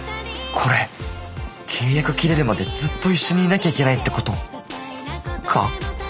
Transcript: これ契約切れるまでずっと一緒にいなきゃいけないってことか。